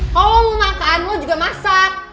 kalo mau makan lo juga masak